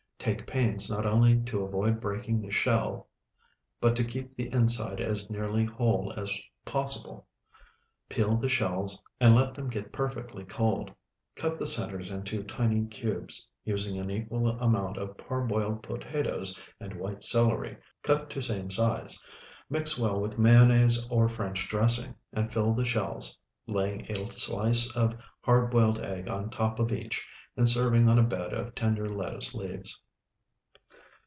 Take pains not only to avoid breaking the shell, but to keep the inside as nearly whole as possible. Peel the shells, and let them get perfectly cold. Cut the centers into tiny cubes, using an equal amount of parboiled potatoes and white celery cut to same size; mix well with mayonnaise or French dressing, and fill the shells, laying a slice of hard boiled egg on top of each, and serving on a bed of tender lettuce leaves.